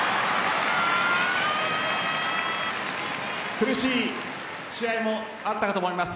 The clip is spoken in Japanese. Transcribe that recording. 苦しい試合もあったかと思います。